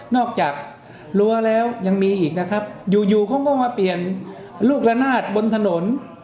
จากรั้วแล้วยังมีอีกนะครับอยู่อยู่เขาก็มาเปลี่ยนลูกละนาดบนถนน